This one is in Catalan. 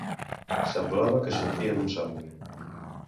Semblava que sortia d'un somni.